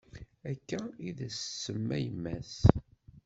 Akka id as-tsemma yemm-as.